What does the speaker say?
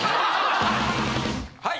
はい！